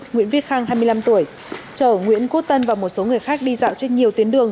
nguyễn viết khang hai mươi năm tuổi chở nguyễn quốc tân và một số người khác đi dạo trên nhiều tuyến đường